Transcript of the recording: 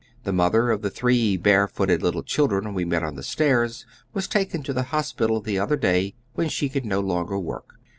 The mother of the three bare footed little children we met on the stairs was taken to the hos pital the other day when she could no longer work.